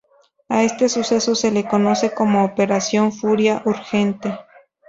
A este suceso se le conoce como Operación Furia Urgente.